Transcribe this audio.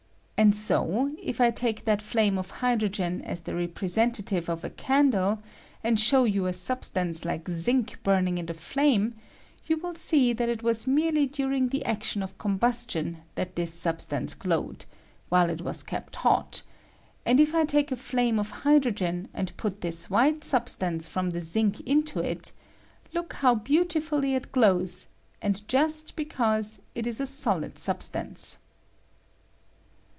And BO, if I take that Same of hydrogen as the rep resentative of a candle, and show you a sub stance like zinc burning in the flame, you will Bee that it was merely during the action of combustion that this substance glowed— while it was kept hot ; and if I take a flame of hy drogen and put this white substance from the zinc into it, look how beautifully it glows, and just because it is a solid substance.